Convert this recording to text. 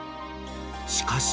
［しかし］